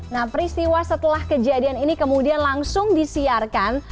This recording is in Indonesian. nah peristiwa setelah kejadian ini kemudian langsung disiarkan